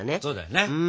そうだよね。